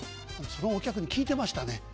そのお客に聞いてましたね。